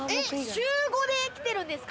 週５で来てるんですか？